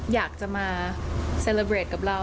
อยากจะมาเซลเบรดกับเรา